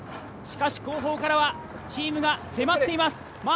しかし、後方からはチームが迫っています。